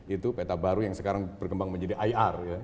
itu peta baru yang sekarang berkembang menjadi ir